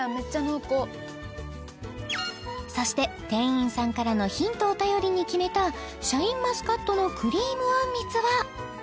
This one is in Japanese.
そして店員さんからのヒントを頼りに決めたシャインマスカットのクリームあんみつは？